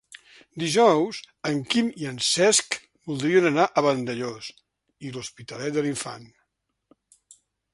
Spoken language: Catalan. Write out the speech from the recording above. Dijous en Quim i en Cesc voldrien anar a Vandellòs i l'Hospitalet de l'Infant.